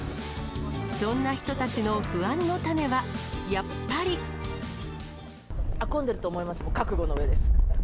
そんな人たちの不安の種は、混んでると思います、覚悟の上です。